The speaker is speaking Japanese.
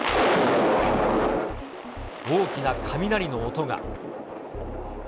大きな雷の音が。